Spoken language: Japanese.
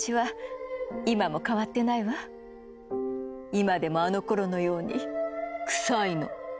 今でもあのころのようにクサいの。